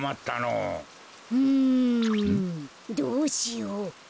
うんどうしよう。